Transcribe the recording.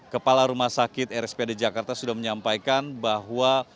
kepala rumah sakit rspd jakarta sudah menyampaikan bahwa